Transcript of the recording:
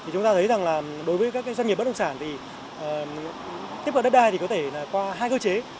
chúng ta thấy rằng đối với các doanh nghiệp bất động sản thì tiếp cận đất đai có thể qua hai cơ chế